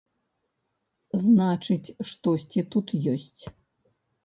Значыць, штосьці тут ёсць.